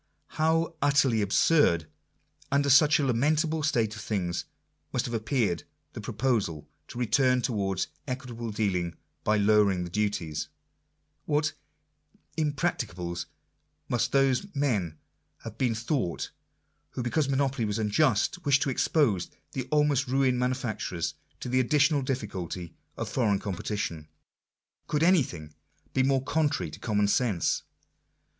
How utterly absurd, under such a lamentable state of things, must have appeared the proposal to return towards equit able dealing by lowering the duties ! What " imprac ticables" must those men have been thought, who, because monopoly was unjust, wished to expose the almost ruined manufacturers to the additional difficulty of foreign com petition! Gould anything be more contrary to common sense